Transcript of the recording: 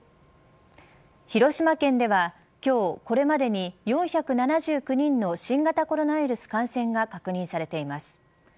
広島県では今日、これまでに４７９人の新型コロナウイルスの感染が確認されています。